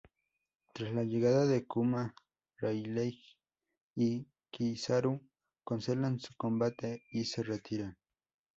Tras la llegada de Kuma, Rayleigh y Kizaru cancelan su combate y se retiran.